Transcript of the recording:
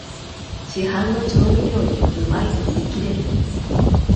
市販の調味料よりうまいと言いきれる